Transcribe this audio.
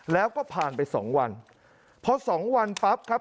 แล้วก็ผ่านไป๒วันเพราะ๒วันปั๊บครับ